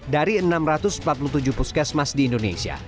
dari enam ratus empat puluh tujuh puskesmas di indonesia